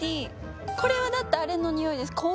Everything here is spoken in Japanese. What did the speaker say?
これはだってあれのにおいです。